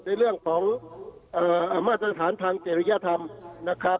ในเรื่องของมาตรฐานทางเจริยธรรมนะครับ